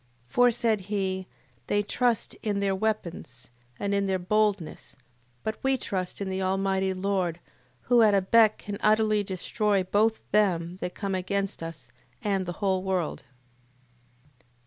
8:18. For, said he, they trust in their weapons, and in their boldness: but we trust in the Almighty Lord, who at a beck can utterly destroy both them that come against us, and the whole world.